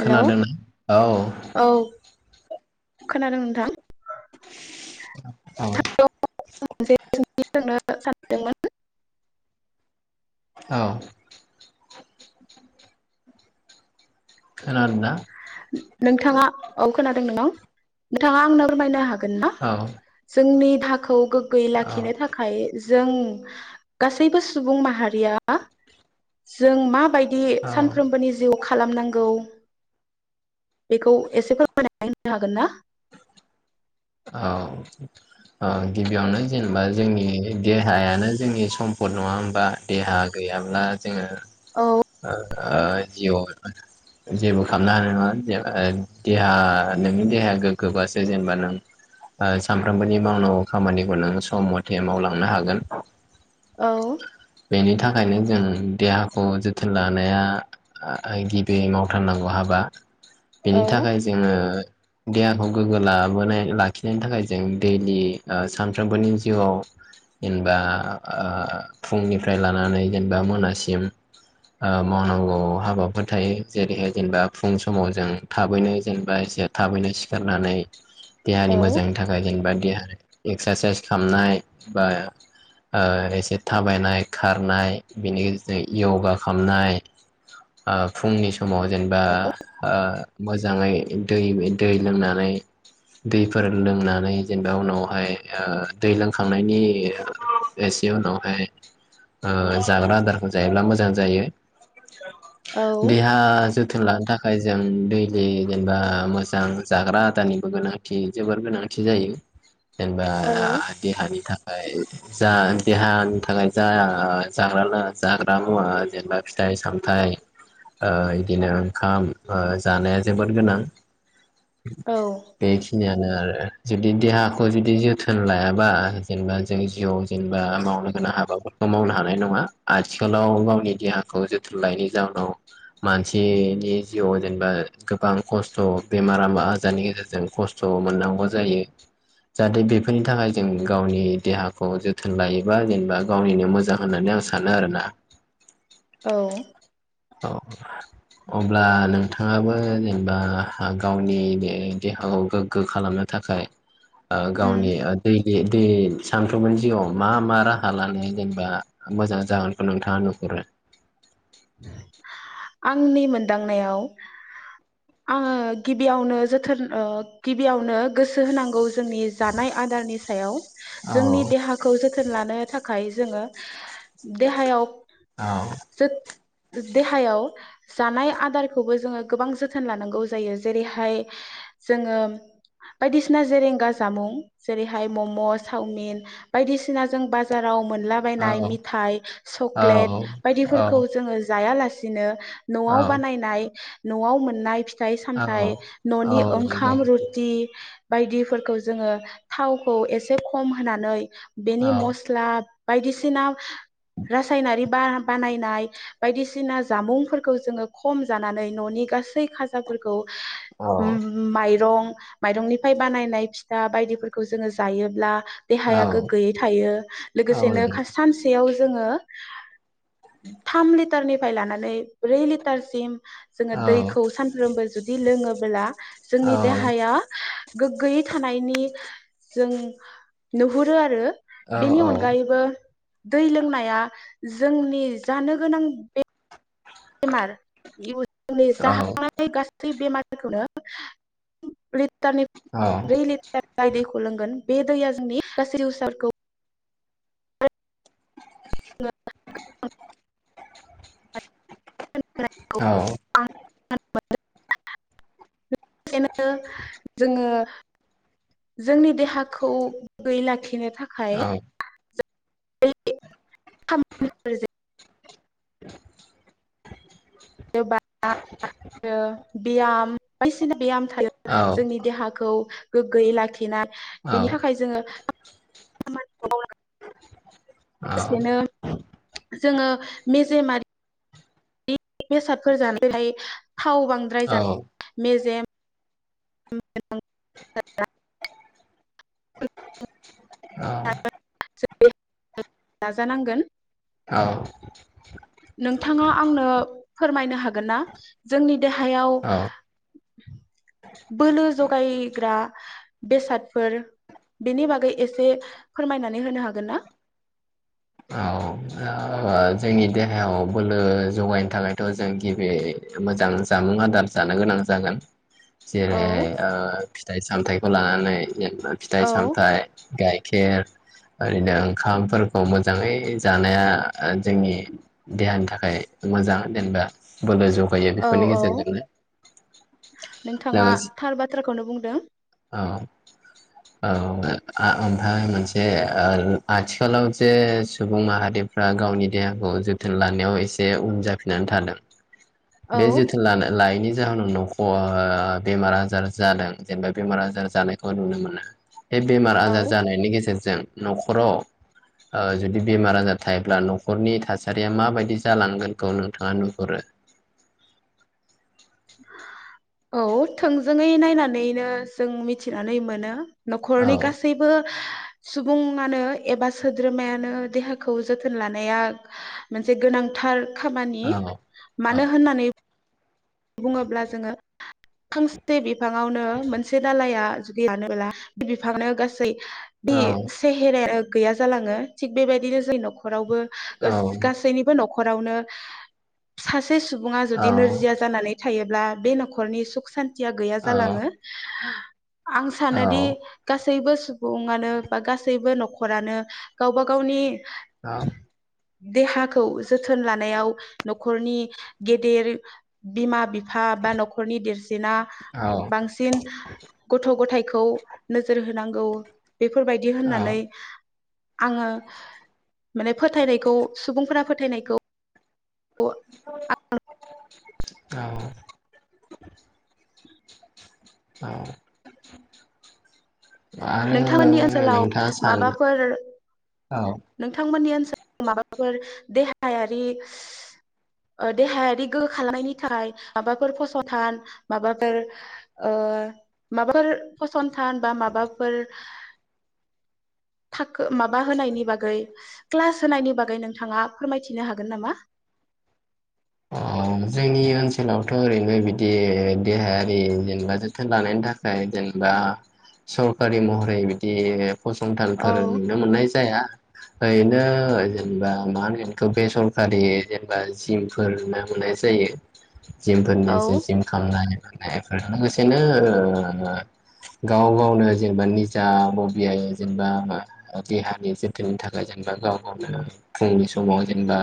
Hello औ औ खोनादों नोंथां? औ मोनसे सोंथि सोंनो सानदोंमोन औ खोनादों ना नोंथाङा औ खोनादों नोंथां नोंथाङा आंनो फोरमायनो हागोन गोन ना औ जोंनि देहाखौ गोग्गोयै औ लाखिनो थाखाय जों गासैबो सुबुं माहारिया जों माबायदि दि औ सानफ्रोमबोनि जिउ खालामनांगौ। बेखौ एसे फोरमायनानै होनो हागोन ना? औ औ गिबियावनो जेनेबा जोंनि देहायानो जोंनि सम्फद नङा होमबा देहा गैयाब्ला। औ जोङो जि जेबो खालामनो हानाय नङा देहा नोंनि देहाया गोग्गोबासो जेनेबा नों सानफ्रोमबोनि मावनांगौ खामानिखौ नों सम मथे मावलांनो हागोन। औ बेनि थाखायनो जों देहाखौ जोथोन लानाया गिबि मावथारनांगौ हाबा। औ बेनि थाखाय जोङो देहाखौ गोग्गो लाबोनाय। लाखिनायनि थाखाय जों दैलि सानफ्रोमबोनि जिउआव जेनेबा ओ फुंनिफ्राय लानानै जेनेबा मोनासिम ओ मावनांगौ हाबाफोर थायो जेरैहाय जेनेबा फुं समाव जों थाबैनो जेनेबा एसे थाबैनो सिखारनानै औ देहानि मोजांनि थाखाय जेनेबा देहानि एक्सारसाइस खालामनाय बा ओ एसे थाबायनाय खारनाय बेनि गेजेरजों योगा खालामनाय ओ फुंनि सम समाव जेनेबा ओ मोजाङै दै दै लोंनानै दैफोर लोंनानै जेनेबा उनावहाय ओ दै लोंखांनायनि एसे उनावहाय जाग्रा आदारफोर जायोब्ला मोजां जायो। औ देहा जो थोन लानो थाखाय जों दैलि जेनेबा मोजां जाग्रा आदारनिबो गोनां। थि जोबोर गोनांथि जायो। जेनेबा औ देहानि थाखाय। जा देहानि थाखाय जा जागा जाग्रा मुवा जेनेबा फिथाइ सामथायाइ ओ इदिनो ओंखाम जानाया जोबोद गोनां। औ बेखिनियानो आरो जुदि देहाखौ जुदि जोथोन लायाबा जेनेबा जों जिउआव जेनेबा मावनो गोनां हाबाफोरखौ मावनो हानाय नङा आथिखालाव गावनि देहाखौ जोथोन लायैनि जाउनाव मानसिनि जिउआव जेनेबा गोबां खस्थ बेमार आजारनि गेजेरजों खस्थ' मोननांगौ जायो। जाहाथे बेफोरनि थाखाय जों गावनि देहाखौ जोथोन लायोबा जेनेबा गावनिनो मोजां होननानै आं सानो आरो ना। औ औ अब्ला नोंथाङाबो जेनेबा गावनि दे देहाखौ गोग्गो खालामनो थाखाय। ओ गावनि दैलि बे सानफ्रोमबोनि जिउआव मा मा राहा लानो जेनेबा मोजां जागोनखौ नोंथाङा नुहुरो। [inaudible] आंनि मोनदांनायाव आङो गिबियावनो जोथोन गिबियावनो गोसो होनांगौ। जोंनि जानाय आदारनि सायाव औ जोंनि देहाखौ जोथोन लानो। थाखाय जोङो देहायाव आ जोथ देहायाव जानाय आदारखौबो जोङो गोबां जोथोन लानांगौ जायो जेरैहाय जोङो बादिसिना जेरें गाज्रि जामुं जेरैहाय म म सावमुन बायदिसिना बाजाराव मोनला औ बायनाय मेथाय औ सकलेट औ बायदिफोरखौ जोङो जायालासिनो औ न'आव बानायनाय न'आव मोननाय फि फिथाइ औ सामथाय औ न'नि नंगौ ओंखाम रुथि बायदिफोरखौ जोङो थावखौ एसे खम होनानै औ बेनि मस्ला बायदिसिना रासायनारि बा बानायनाय बायदिसिना जामुंफोरखौ जोङो खम जानानै न'नि गासै खाजाफोरखौ औ ओम माइरं माइरंनिफ्राय बानायनाय फिथा बायदिफोरखौ जोङो जायोब्ला औ देहाया गोग्गोयै थायो लोगोसेनो नंगौ सानसेयाव जोङो थाम लि लिटारनिफ्राय लानानै ब्रै लिटारसिम जोङो औ दैखौ सानफ्रोमबो जुदि लोङो बोला जोंनि देहाया गोग्गोयै थानायनि जों नुहुरो आरो बेनि औ अनगायैबो दै लोंनाया जोंनि जानो गोनां बेमार इयुननि जाहानो गासै बेमार फोरखौनो [unintelligible] लिटारनि औ दुय लिटार दैखौ सोलोंगोन बे दैया जोंनि गासै फिउसारखौ [unintelligible] औ [unintelligible] [unintelligible] सो जोङो जोंनि देहाखौ गोगोयै लाखिनो थाखाय थाखाय [unintelligible] [unintelligible] [unintelligible] जोंनि देहाखौ गोग्गोयै लाखिना बिनि थाखाय जोङो [unintelligible] [inaudible] लोगोसेनो जोङो मेजेमारि बेसादफोर जानायहाय थाव बांद्राय जानाय मेजेम [unintelligible] औ [unintelligible] नाजानांगोन औ नोंथाङा आंनो फोरमायनो हागोन‌। ना जोंनि देहायाव औ बोलो जगायग्रा बेसादफोर बेनि बागै एसे फोरमायनानै होनो हागोन ना औ जोंनि देहायाव बोलो जगायनो थाखायथ' जों गिबि मोजां जामुं आदार जानो गोनां जागोन औ जेरै फिथाइ सामथायाइखौ लानानै जेनबा फिथाइ औ सामथाइ गाइखेर [unintelligible] ओरैनो ओंखामफोरखौ मोजाङै जानाया जोंनि देहानि थाखाय मोजां जेनेबा बोलो जगायो औ बेफोरनि औ गेजेरजोंनो नोंथाङा लोगोसे थार बाथ्राखौनो बुंदों। औ ओमफ्राय मोनसे आथिखालाव जे सुबुं माहारिफ्रा गावनि देहाखौ जोथोन लानायाव एसे उन जाफिननानै थादों औ बे जोथोन लानो-लायिनि जाहोनाव न'खर बेमार आजार जादों जेनेबा बेमार आजार जानायखौ नुनो मोनो। बे बेमार औ आजार जानायनि गेजेरजों न'खराव ओ जुदि बेमार आजार थायोब्ला न'खरनि थासारिया माबायदि जालांगोनखौ नोंथाङा नुहुरो औ थोंजोङै नायनानैनो जों मिथिनानै मोनो। औ नखरनि गासैबो सुबुङानो एबा सोद्रोमायानो देहाखौ जोथोन लानाया मोनसे गोनांथार खामानि औ मानो औ होननानै बुङोब्ला जोङो फांसे बिफाङावनो मोनसे दालाया गैयानोबोला बे बिफांनो गासै बे औ सेहेरे गैया जालाङो थिग बेबायदिनो जों नखरावबो औ गासैनिबो नखर फ्रावनो सासे सुबुंआ औ जुदि नोरजिया थायोब्ला बे नखरनि सुख सान्थि या गैया जालाङो। आं औ सानोदि गासै गासैबो सुबुङानो बा गासैबो न'खरानो गावबा गावनि औ देहाखौ जोथोन लानायाव नखरनि गेदेर बिमा बि फा बा न'खरनि देरसिना औ बांसिन गथ' गथायखौ नोजोर हो नांगौ बेफोरबायदि औ औ होननानै आङो माने फोथायनायखौ सुबुंफोरा फोथायनायखौ अ औ औ आरो नोंथांमोननि ओनसोलाव नोंथाङा सान माबाफोर औ नोंथांमोननि ओन ओनसोलाव माबाफोर देहायारि गोहो खालामनायनि थाखाय माबाफोर फसंथान माबाफोर ओ माबाफोर फसंथान बा माबाफोर थाखो माबा होनायनि बागै क्लास होनायनि बागै नोंथाङा फोरमायथिनो हागोन नामा अजोंनि ओनसोलावथ ओरैनो बिदि देहायारि जेनेबा जोथोन लानायनि थाखाय जेनेबा सरखारि महरै बिदि फसंथानफोर औ नुनो मोननाय जाया ओरैनो जेनेबा मा होनो बेखौ बेसरखारि जेनेबा जिम फोरोंनाय हरनाय जायो औ जिमफोरनिसो जिम खालामनाय फोर लोगोसेनो ओ गाव गावनो जेनेबा निजा बबियो जेनेबा देहानि जोथोननि थाखाय जेनेबा गाव गावनो फुंनि समाव जेनेबा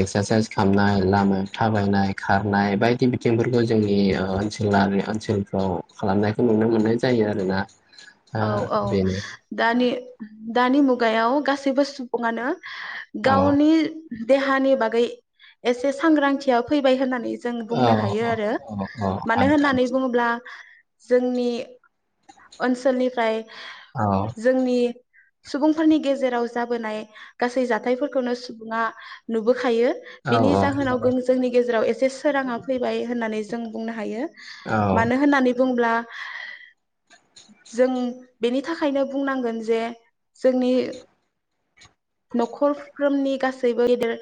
एक्सारसाइस सामनाय लामायाव थाबायनाय खारनाय बायदि बिथिंफोरखौ जोंनि ओनसोलारि ओनसोलफ्राव खालामनायखौ नुनो मोननाय जायो आरोना औ ओ औ बेनो दानि दानि मुगायाव गासैबो सुबुङानो औ गावनि देहानि बागै एसे सांग्रांथिया फैबाय होननानै जों औ बुंनो हायो आरो औ औ मानो होननानै आनखान्थि बुङोब्ला जोंनि ओनसोल निफ्राय औ जोंनि सुबुंफोरनि गेजेराव जाबोनाय गासै जाथायफोरखौनो सुबुङा नुबोखायो औ बिनि जाहोनाव जोंनि गेजेराव एसे बे सोराङा फै होननानै जों बुंनो हायो औ मानो होननानै बुंब्ला जों बेनि थाखायनो बुंनांगोन जे जोंनि नखरफ्रोमनि गासैबो गेदेर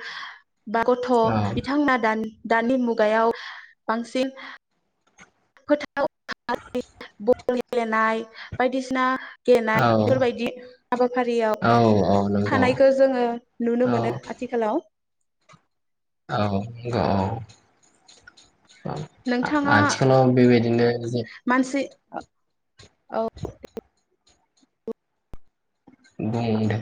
बा गथ' औ बिथांमोना दान दानि मुगायाव बांसिन फोथाव [inaudible] गेलेनाय बायदिसिना गेनाय औ बेफोरबायदि हाबाफारियाव औ औ नंगौ थानायखौ जोङो नुनो औ मोनो आथिखालाव औ औ नोंथाङा आथिखालाव बेबायदिनो ज मानसि औ बुं दे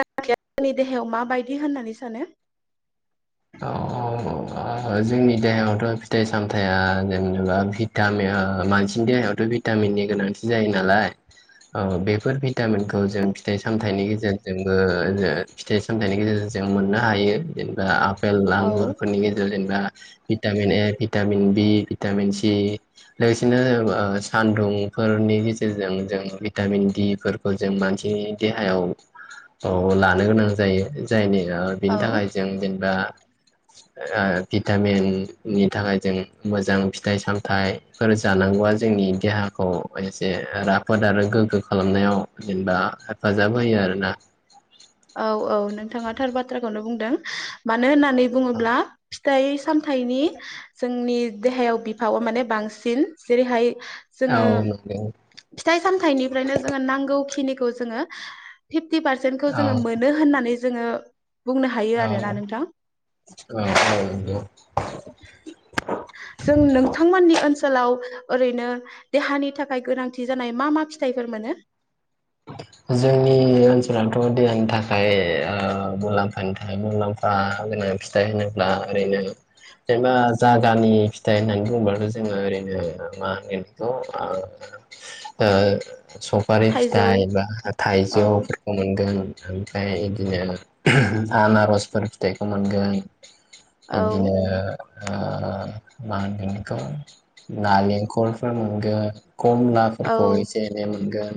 जोंनि देहायाव माबायदि होननानै सानो जोंनि देहायावथ' फिथाइ सामथायया जेनेबा भिटामिन मानसिनि देहायावथ' भिटामिननि गोनांथि जायो नालाय औ बेफोर भिटामिनखौ जों फिथाइ सामथाइनि गेजेरजोंबो फिथाइ सामथाइनि गेजेरजों जों मोननो हायो जेनेबा बेल औ आंगुरफोरनि गेजेरजों दा vitamin A vitamin B vitamin C लोगोसेनो ओ सानदुंफोरनि गेजेरजों जों भिटामिन दि फोरफोरखौ जों मानसिनि देहायाव लानो गोनां जायो। जायनि बिनि औ थाखाय जों जेनेबा ओ भिटामिननि थाखाय जों मोजां फिथाइ सामथाइफोर जानांगौआ जोंनि देहाखौ एसे राफोद आरो गोग्गो खालामनायाव जेनेबा हेफाजाब होयो आरोना। औ औ नोंथाङा थार बाथ्राखौनो बुंदों मानो होनना नै बुंङोब्ला फिथाइ सामथाइनि जोंनि देहायाव बिफावा माने बांसिन जेरैहाय औ जोङो नंगौ फिथाइ सामथाइ निफ्रायनो जोङो नांगौ खिनि जोङो पिपथि पारसेन्ट औ जोङो मोनो होननानै जोङो बुंनो हायो औ आरोना नोंथां। औ नंगौ जों नोंथांमोननि ओनसो सोलाव ओरैनो देहानि थाखाय गोनांथि जानाय मा मा फिथाइफोर मोनो? जोंनि ओनसोलावनथ' देहानि थाखाय ओ मुलाम्फानि थाखाय मुलाम्फा गोनां फिथाइ होनोब्ला ओरैनो जेनबा जागानि फिथाइ होननानै बुङोबथ' जोङो ओरैनो मा होनगोन बेखौ आ ओ सफा थाइजौ दाइ बा औ थाइजौफोरखौ मोनगोन। ओमफाय ओ बिदिनो आनारसफोर फिथाइखौ मोनगोन औ बिदिनो ओ मा होनगोन इखौ नालेंखरफोर मोनगोन। खमनाफोरखौ औ एसे एनै मोनगोन।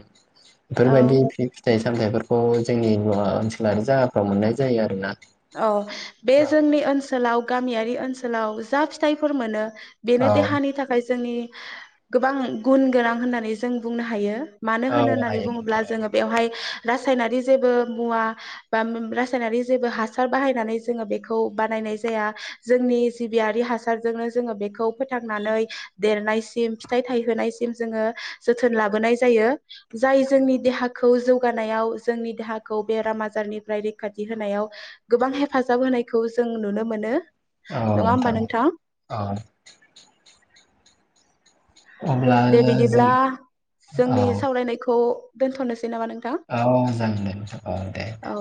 औ इफोरबायदि फि फिथाइ सामथाइफोरखौ जोंनि मुवा ओनसोलारि जागाफ्राव मोननाय जायो आरो ना। औ बे जोंनि ओनसोलाव गामियारि ओनसोलाव जा फिथाइफोर मोनो बेनो औ देहानि थाखाय जोंनि गोबां गुन गोनां होननानै जों बुंनो हायो। मानो औ होनो होननानै हायो बुङोब्ला जोङो बेवहाय रासायनारि जेबो मुवा बा रासायनारि जेबो हासार हासार बायनानै जोङो बेखौ बानायनाय जाया जोंनि जिबियारि हासारजोंनो जोङो बेखौ फोथांनानै देरनायसिम फिथाइ थायहोनायसिम जोङो जोथोन लाबोनाय जायो जाय जोंनि देहाखौ जौगानायाव जोंनि देहाखौ बेराम आजारनिफ्राय रैखाथि होनायाव गोबां हेफाजाब होनायखौ जों नुनो मोनो औ नङा होमबा नोंथां औ अब्ला दे जों बिदिब्ला औ जोंनि सावरायनायखौ दोनथ'नोसै नामा नोंथां औ जागोन दे नोंथां औ दे दे।